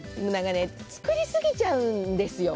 作りすぎちゃうんですよ